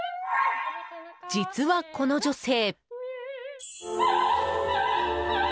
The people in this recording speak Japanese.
実は、この女性。